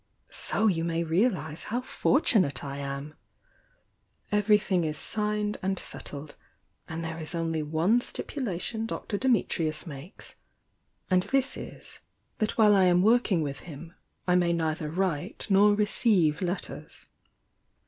So you may realise how fortunate I am' l!.ver'thmg is signed and settled; and there is only one stipulation Dr. Dimitrius makes, and this is that while I am working with him, I may neither write nor receive letters.